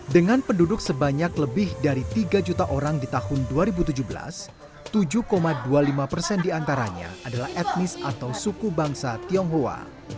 dengan penduduk sebanyak lebih dari tiga juta orang di tahun dua ribu tujuh belas tujuh dua puluh lima persen diantaranya adalah etnis atau suku bangsa tionghoa